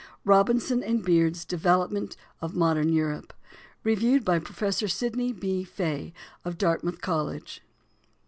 Robinson and Beard's Development of "Modern Europe" REVIEWED BY PROFESSOR SIDNEY B. FAY, OF DARTMOUTH COLLEGE.